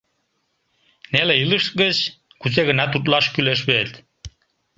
Неле илыш гыч кузе-гынат утлаш кӱлеш вет.